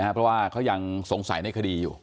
เพราะว่าเขายังสงสัยในคดีอยู่